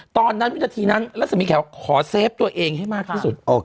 ตอนนั้นวินาทีนั้นลักษมีแขวขอเซฟตัวเองให้มากที่สุด